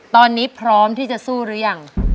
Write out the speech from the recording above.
ตอนนี้พร้อมที่จะสู้หรือยัง